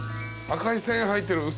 赤い線入ってんの。